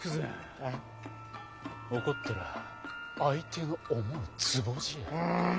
怒ったら相手の思うつぼじゃ。